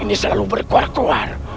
iblis telah dibilang kohet sekali